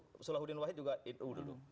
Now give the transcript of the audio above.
pak sulawudin wahid juga nu dulu